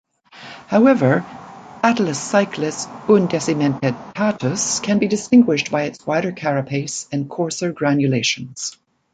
However, "Atelecyclus undecimdentatus" can be distinguished by its wider carapace and coarser granulations.